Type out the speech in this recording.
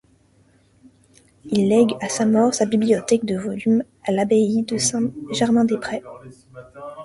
Il lègue à sa mort sa bibliothèque de volumes à l'abbaye de Saint-Germain-des-Prés.